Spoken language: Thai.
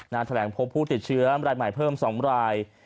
แถลงพบผู้ติดเชื้อรายใหม่เพิ่ม๒ราย